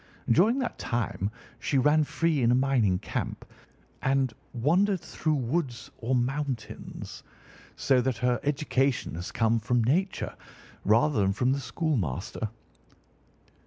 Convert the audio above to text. During that time she ran free in a mining camp and wandered through woods or mountains, so that her education has come from Nature rather than from the schoolmaster.